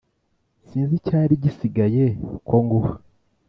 Sinzi icyarigisigaye ko nguha